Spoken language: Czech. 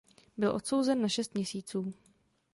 Byl odsouzen na šest měsíců.